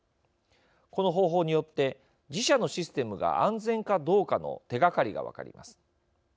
この方法によって自社のシステムが安全かどうかの手がかりが分かります。